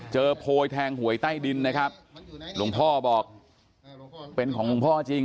โพยแทงหวยใต้ดินนะครับหลวงพ่อบอกเป็นของหลวงพ่อจริง